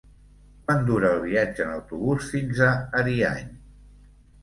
Quant dura el viatge en autobús fins a Ariany?